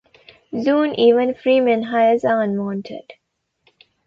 Soon, even free menhirs are unwanted.